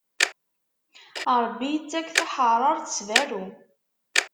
Ṛebbi ittak taḥeṛṛaṛt s berru.